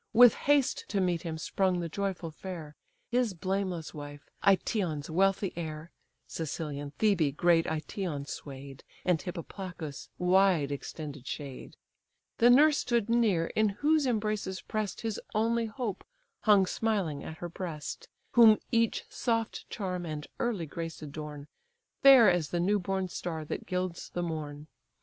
With haste to meet him sprung the joyful fair. His blameless wife, Aëtion's wealthy heir (Cilician Thebe great Aëtion sway'd, And Hippoplacus' wide extended shade): The nurse stood near, in whose embraces press'd, His only hope hung smiling at her breast, Whom each soft charm and early grace adorn, Fair as the new born star that gilds the morn.